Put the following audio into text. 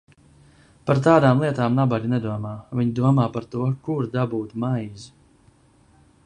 Par tādām lietām nabagi nedomā – viņi domā par to, kur dabūt maizi.